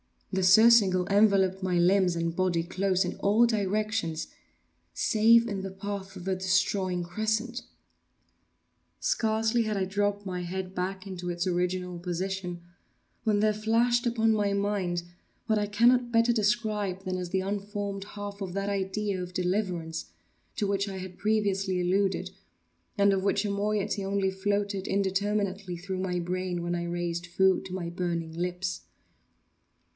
The surcingle enveloped my limbs and body close in all directions—save in the path of the destroying crescent. Scarcely had I dropped my head back into its original position, when there flashed upon my mind what I cannot better describe than as the unformed half of that idea of deliverance to which I have previously alluded, and of which a moiety only floated indeterminately through my brain when I raised food to my burning lips.